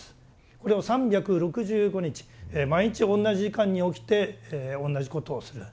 これを３６５日毎日同じ時間に起きて同じことをする。